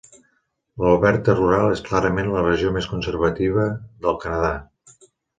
L'Alberta rural és clarament la regió més conservativa del Canadà.